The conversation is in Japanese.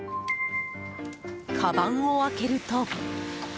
かばんを開けると。